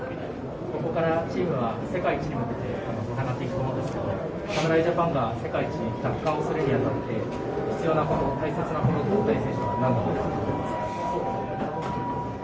これからチームは世界一に向けて戦っていきますが侍ジャパンから世界一奪還をするに当たって必要なこと、大切なことは何だと思いますか。